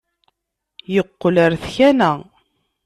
Yeqqel ɣer tkanna.